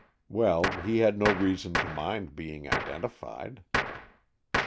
Well, he had no reason to mind being identified.